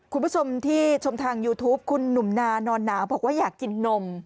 คุณผู้ชมที่ชมทางยูทูปคุณหนุ่มนานอนหนาวบอกว่าอยากกินนม